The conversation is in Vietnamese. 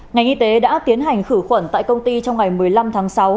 ngành y tế đã tiến hành khử khuẩn tại công ty trong ngày một mươi năm tháng sáu